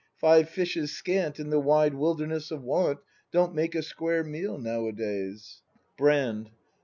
Five fishes scant In the wide wilderness of Want Don't make a square meal nowadays. Brand.